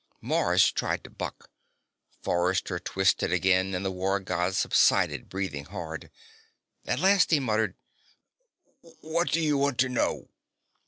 Mars tried to buck. Forrester twisted again and the War God subsided, breathing hard. At last he muttered: "What do you want to know?"